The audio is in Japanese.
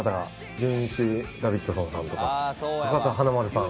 じゅんいちダビッドソンさんとか博多華丸さん。